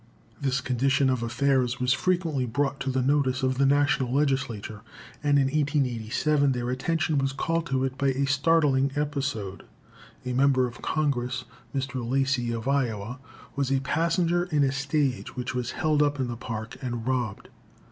This condition of affairs was frequently brought to the notice of the National Legislature, and in 1887 their attention was called to it by a startling episode. A member of Congress, Mr. Lacey, of Iowa, was a passenger in a stage which was "held up" in the Park and robbed.